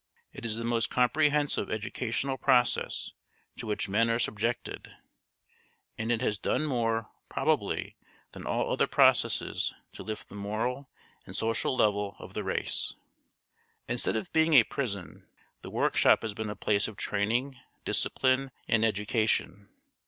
It is the most comprehensive educational process to which men are subjected, and it has done more, probably, than all other processes to lift the moral and social level of the race. Instead of being a prison, the workshop has been a place of training, discipline, and education.